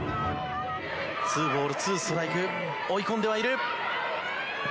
ツーボールツーストライク追い込んではいる！